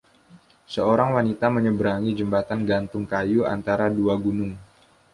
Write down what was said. Seorang wanita menyeberangi jembatan gantung kayu antara dua gunung.